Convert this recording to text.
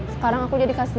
sekarang aku jadi kastian